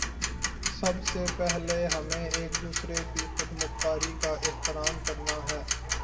سب سے پہلے ہمیں ایک دوسرے کی خود مختاری کا احترام کرنا ہے۔